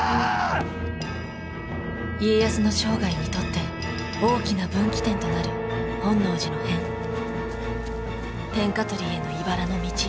家康の生涯にとって大きな分岐点となる本能寺の変天下取りへのいばらの道